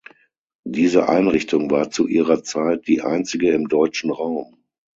Diese Einrichtung war zu ihrer Zeit die einzige im deutschen Raum.